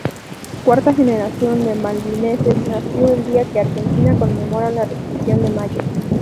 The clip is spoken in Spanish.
Cuarta generación de malvinenses, nació el día que Argentina conmemora la Revolución de Mayo.